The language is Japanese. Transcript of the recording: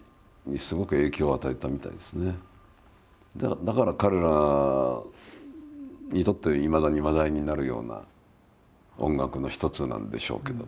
だから彼らにとっていまだに話題になるような音楽の一つなんでしょうけどね。